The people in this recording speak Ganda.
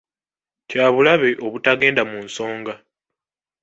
Kyabulabe obutagenda mu nsonga.